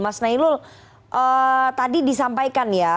mas nailul tadi disampaikan ya